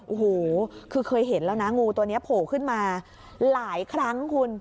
โอ้โหคือเคยเห็นแล้วนะงูตัวนี้โผล่ขึ้นมาหลายครั้งคุณ